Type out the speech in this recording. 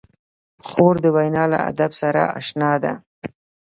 خور د وینا له ادب سره اشنا ده.